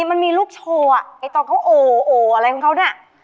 มันมีลูกโชว์ไอ้ต้องเขาโออะไรของเขาน่ะ